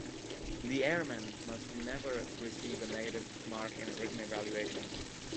The airman must never receive a negative mark in a written evaluation.